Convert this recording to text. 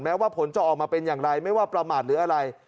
ว่าผลจะออกมาเป็นอย่างไรไม่ว่าประมาทหรืออะไร